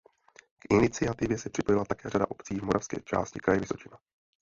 K iniciativě se připojila také řada obcí v moravské části Kraje Vysočina.